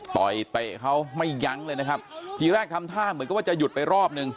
เตะเขาไม่ยั้งเลยนะครับทีแรกทำท่าเหมือนกับว่าจะหยุดไปรอบนึง